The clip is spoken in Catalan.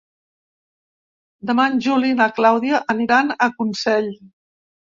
Demà en Juli i na Clàudia aniran a Consell.